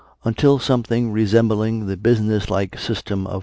Until something resembling the business like system of